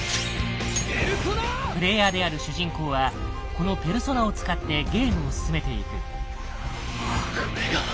プレイヤーである主人公はこのペルソナを使ってゲームを進めていく。